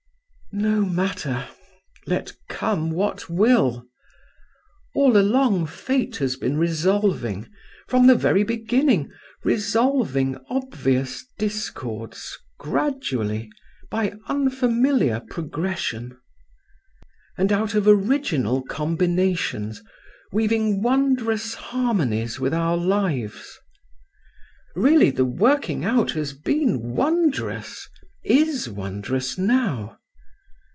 No matter—let come what will. All along Fate has been resolving, from the very beginning, resolving obvious discords, gradually, by unfamiliar progression; and out of original combinations weaving wondrous harmonies with our lives. Really, the working out has been wondrous, is wondrous now.